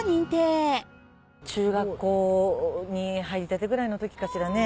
中学校に入りたてぐらいのときかしらね